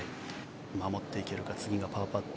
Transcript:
守っていけるか次がパーパット。